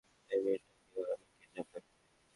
এই মেয়েটাকেও আমি কিডন্যাপ করেছি।